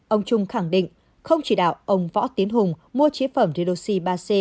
ông trung khẳng định không chỉ đạo ông võ tiến hùng mua chế phẩm redoxi ba c